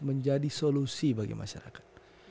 menjadi solusi bagi masyarakat